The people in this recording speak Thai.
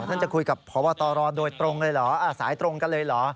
ท่านจะคุยกับพบตรโดยตรงเลยเหรอสายตรงกันเลยเหรอ